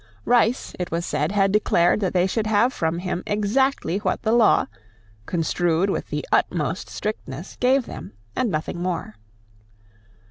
Rice, it was said, had declared that they should have from him exactly what the law, construed with the utmost strictness, gave them, and nothing more.